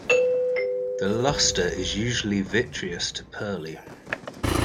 The luster is usually vitreous to pearly.